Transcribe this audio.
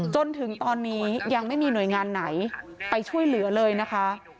จนถึงตอนนี้ยังไม่มีหน่วยงานไหนไปช่วยเหลือเลยนะคะ